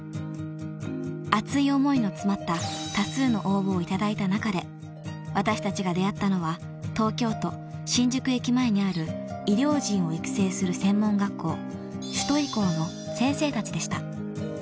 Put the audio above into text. ［熱い思いの詰まった多数の応募を頂いた中で私たちが出会ったのは東京都新宿駅前にある医療人を育成する専門学校首都医校の先生たちでした］